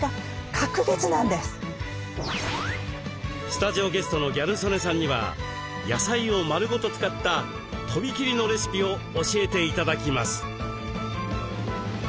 スタジオゲストのギャル曽根さんには野菜を丸ごと使った飛び切りのレシピを教えて頂きます。